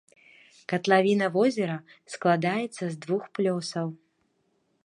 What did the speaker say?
Катлавіна возера складаецца з двух плёсаў.